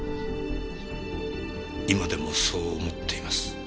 今でもそう思っています。